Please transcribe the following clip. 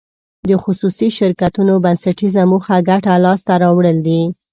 د خصوصي شرکتونو بنسټیزه موخه ګټه لاس ته راوړل دي.